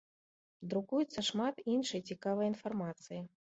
Друкуецца шмат іншай цікавай інфармацыі.